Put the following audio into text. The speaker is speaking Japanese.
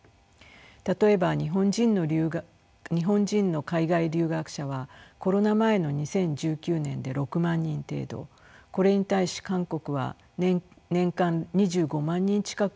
例えば日本人の海外留学者はコロナ前の２０１９年で６万人程度これに対し韓国は年間２５万人近くを送り出します。